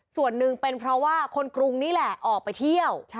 ส่วนหนึ่งเป็นเพราะว่าคนกรุงนี่แหละออกไปเที่ยว